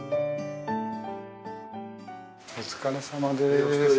お疲れさまです。